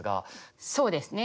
そうですね。